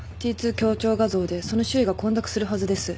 ２強調画像でその周囲が混濁するはずです。